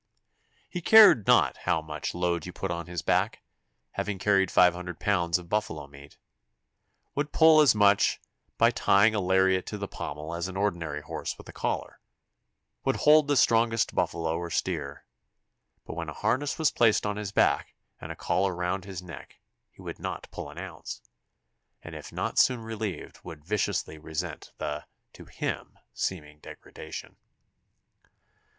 He cared not how much load you put on his back, having carried 500 pounds of buffalo meat; would pull as much by tying a lariat to the pommel as an ordinary horse with a collar; would hold the strongest buffalo or steer, but when a harness was placed on his back and a collar round his neck he would not pull an ounce, and if not soon relieved would viciously resent the (to him) seeming degradation.